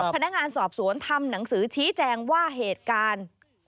พนักงานสอบสวนทำหนังสือชี้แจงว่าเหตุการณ์